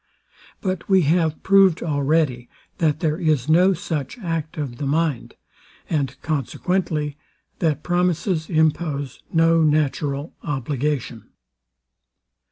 But we have proved already, that there is no such act of the mind, and consequently that promises impose no natural obligation.